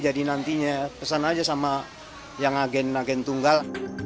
jadi nantinya pesan aja sama yang agen agen tunggal